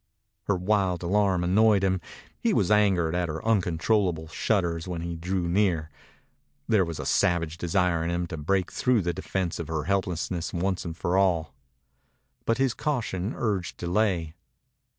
Her wild alarm annoyed him. He was angered at her uncontrollable shudders when he drew near. There was a savage desire in him to break through the defense of her helplessness once for all. But his caution urged delay.